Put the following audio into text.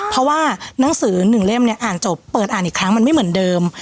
เพราะว่าหนังสือ๑เล่มเนี่ยอ่านจบเปิดอ่านอีกครั้งมันไม่เหมือนเดิม